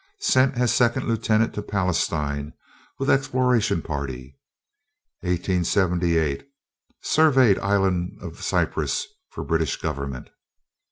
Sent as second lieutenant to Palestine, with exploration party. 1878. Surveyed Island of Cyprus, for British Government.